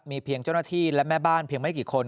มีเพียงเจ้าหน้าที่และแม่บ้านเพียงไม่กี่คน